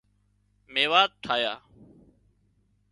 ميوات ٺاهيا